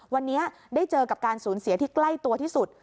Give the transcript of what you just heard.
วันนี้ได้เจอกับการสูญเสียที่ใกล้ตัวที่สุด